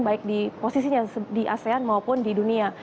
baik di posisinya di asean maupun di dunia